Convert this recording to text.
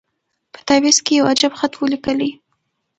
په تعویذ کي یو عجب خط وو لیکلی